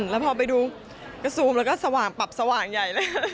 แล้วพอไปดูก็ซูมแล้วก็สว่างปรับสว่างใหญ่เลย